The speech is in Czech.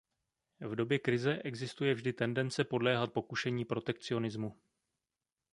V době krize existuje vždy tendence podléhat pokušení protekcionismu.